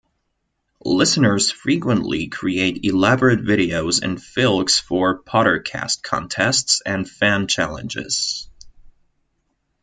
Listeners frequently create elaborate videos and filks for PotterCast contests and fan challenges.